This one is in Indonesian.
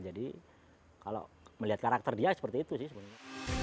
jadi kalau melihat karakter dia seperti itu sih